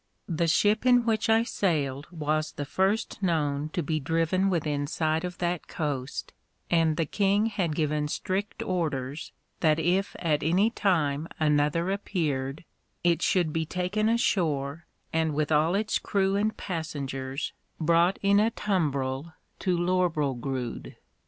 The ship in which I sailed was the first known to be driven within sight of that coast, and the king had given strict orders, that if at any time another appeared, it should be taken ashore, and with all its crew and passengers brought in a tumbrel to Lorbrulgrud.